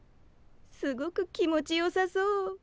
すごく気持ちよさそう。